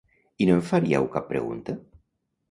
I no em faríeu cap pregunta?